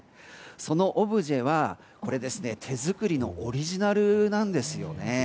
そのオブジェは、手作りのオリジナルなんですよね。